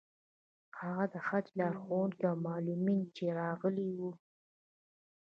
هغه د حج لارښوونکي او معلمین چې راغلي وو.